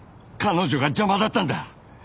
彼女が邪魔だったんだ。